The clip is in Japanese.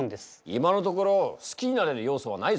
今のところ好きになれる要素はないぞ。